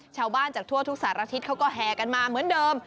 ชาวบ้านจากทั่วทุกศาสตร์อาทิตย์เขาก็แฮกันมาเหมือนเดิม